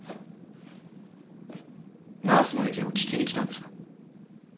ナースの意見を聞きに来たんですか？